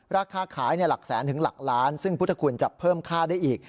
ราคาขายหลักแสนถึงหลักล้านซึ่งพุทธคุณจะเพิ่มค่าได้อีก